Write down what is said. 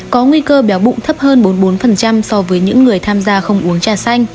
có nguy cơ béo bụng thấp hơn bốn mươi bốn so với những người tham gia không uống trà xanh